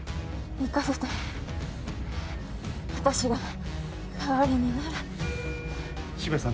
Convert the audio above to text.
行かせて私が代わりになる渋谷さん